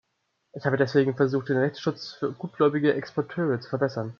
Ich habe deswegen versucht, den Rechtsschutz für gutgläubige Exporteure zu verbessern.